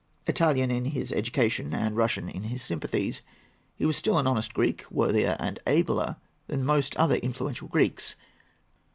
Italian in his education, and Russian in his sympathies, he was still an honest Greek, worthier and abler than most other influential Greeks.